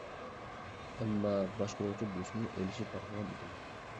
ئەمما باشقۇرغۇچى بولۇشنى ئويلىشىپ باقمىغان ئىدىم.